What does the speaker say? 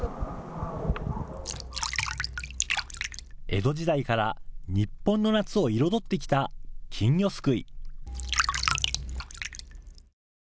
江戸時代から日本の夏を彩ってきた金魚すくい。